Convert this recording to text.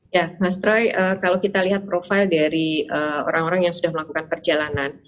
ya mas troy kalau kita lihat profil dari orang orang yang sudah melakukan perjalanan